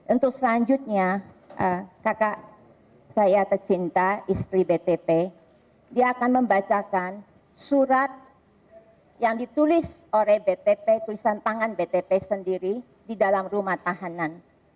untuk selanjutnya kakak saya tercinta istri btp dia akan membacakan surat yang ditulis oleh btp tulisan tangan btp sendiri di dalam rumah tahanan